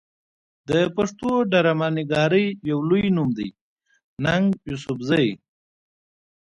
د پښتو ډرامه نګارۍ يو لوئې نوم دی ننګ يوسفزۍ